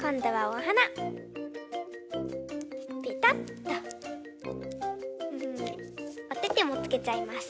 おててもつけちゃいます。